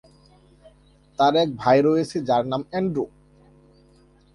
তাঁর এক ভাই রয়েছে, যার নাম অ্যান্ড্রু।